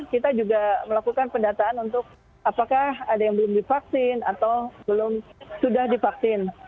kita juga melakukan pendataan untuk apakah ada yang belum divaksin atau belum sudah divaksin